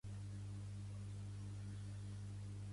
Era fill d'Arístocles i el seu fill també es va dir Arístocles.